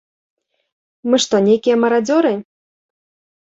Мы што нейкія марадзёры?